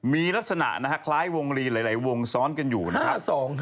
มีลักษณะนะฮะคล้ายวงลีนหลายวงซ้อนกันอยู่นะครับ